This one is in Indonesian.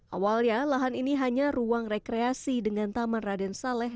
awalnya lahan ini hanya ruang rekreasi dengan taman raden saleh